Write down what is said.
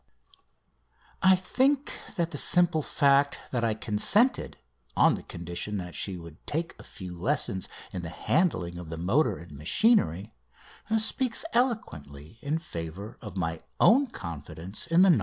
I think that the simple fact that I consented on condition that she would take a few lessons in the handling of the motor and machinery speaks eloquently in favour of my own confidence in the "No.